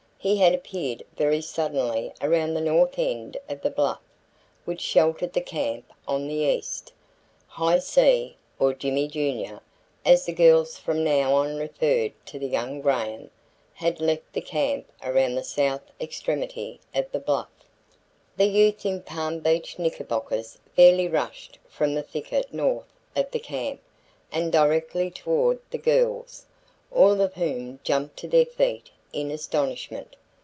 He had appeared very suddenly around the north end of the bluff which sheltered the camp on the east. "High C" or "Jimmie Junior," as the girls from now on referred to young Graham, had left the camp around the south extremity of the bluff. The youth in Palm Beach knickerbockers fairly rushed from the thicket north of the camp and directly toward the girls, all of whom jumped to their feet in astonishment.